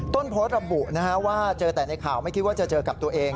ต้นโพสต์ระบุว่าเจอแต่ในข่าวไม่คิดว่าจะเจอกับตัวเอง